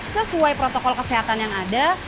sesuai protokol kesehatan yang ada